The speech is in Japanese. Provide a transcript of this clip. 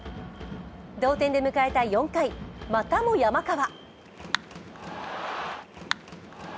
同点で迎えた４回、またも山川。